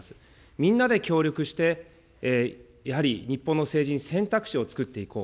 みんなで協力して、やはり日本の政治に選択肢をつくっていこう。